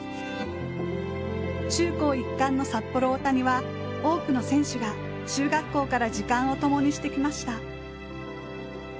中高一貫の札幌大谷は多くの選手が中学校から時間を共にしてきました。